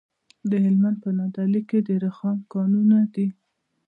د هلمند په نادعلي کې د رخام کانونه دي.